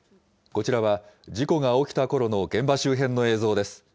こちらは、事故が起きたころの現場周辺の映像です。